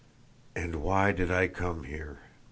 "And why did I come here?"